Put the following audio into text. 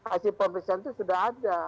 hasil pemeriksaan itu sudah ada